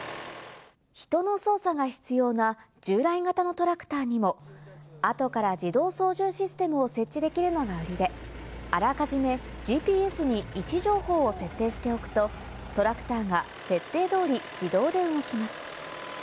人の操作が必要な従来型のトラクターにも、後から自動操縦システムを設置できるのが売りで、あらかじめＧＰＳに位置情報を設定しておくとトラクターが設定通り自動で動きます。